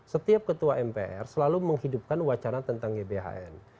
setiap ketua mpr selalu menghidupkan wacana tentang gbhn